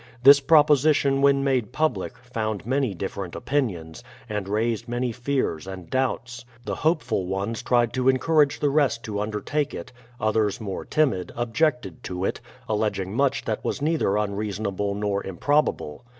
This proposition when made public, found many different opinions, and raised many fears and doubts. The hopeful ones tried to encourage the rest to undertake it; others more timid, objected to it, alleging much that was neither unreasonable nor improbable.